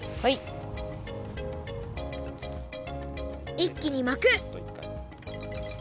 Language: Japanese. いっきに巻く！